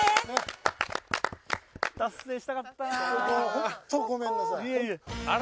達成したかったなぁ。